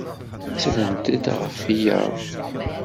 Ttrent-d ɣef wiyaḍ.